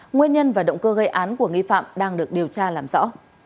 nguyên nhân và động cơ gây án của nghi phạm đang được điều tra làm rõ